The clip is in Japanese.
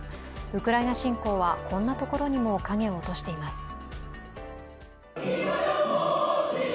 ウクライナ侵攻はこんなところにも影を落としています。